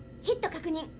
ヒット確認。